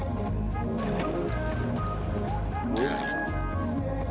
shovel kali orangadanya